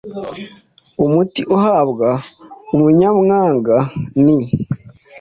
Umuti uhabwa umunyamwaga ni: